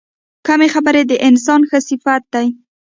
کمې خبرې، د انسان ښه صفت دی.